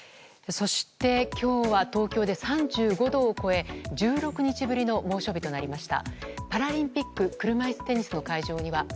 そして、今日は東京で３５度を超え１６日ぶりの猛暑日となりました。